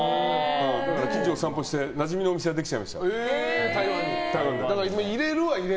近所を散歩して、なじみのお店ができちゃいました。